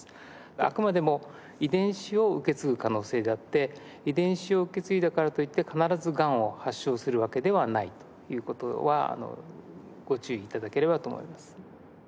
あくまでも遺伝子を受け継ぐ可能性であって遺伝子を受け継いだからといって必ずがんを発症するわけではないという事はご注意頂ければと思います。